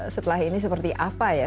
setelah ini seperti apa ya